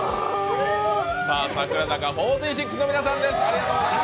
櫻坂４６の皆さんです。